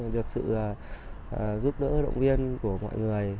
được sự giúp đỡ động viên của mọi người